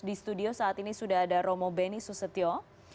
di studio saat ini sudah ada romo beni susetio